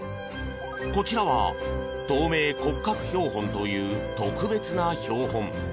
こちらは透明骨格標本という特別な標本。